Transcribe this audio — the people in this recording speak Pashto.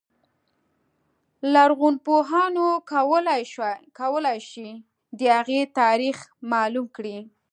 لرغونپوهان کولای شي د هغې تاریخ معلوم کړي.